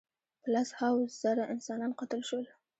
په لس هاوو زره انسانان قتل شول.